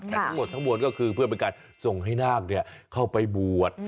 แต่ทั้งหมดทั้งมวลก็คือเพื่อเป็นการส่งให้นาคเข้าไปบวช